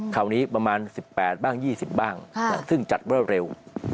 คราวนี้ประมาณ๑๘บ้าง๒๐บ้างซึ่งจัดเร็ว